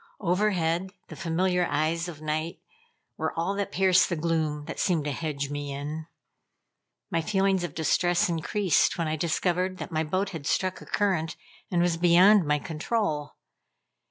Overhead, the familiar eyes of night were all that pierced the gloom that seemed to hedge me in. My feeling of distress increased when I discovered that my boat had struck a current and was beyond my control.